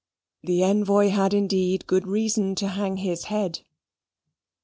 The envoy had indeed good reason to hang his head.